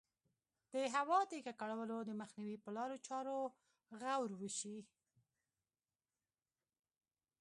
د هوا د ککړولو د مخنیوي په لارو چارو غور وشي.